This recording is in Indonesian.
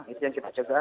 itu yang kita jaga